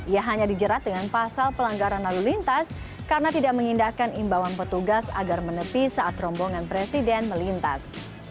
ia hanya dijerat dengan pasal pelanggaran lalu lintas karena tidak mengindahkan imbauan petugas agar menepi saat rombongan presiden melintas